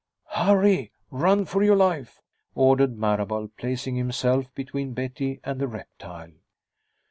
"Hurry! Run for your life!" ordered Marable, placing himself between Betty and the reptile.